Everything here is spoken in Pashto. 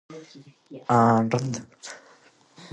په ژمی موسم کی له بېوزلو کورنيو سره مرسته کول ثواب لري.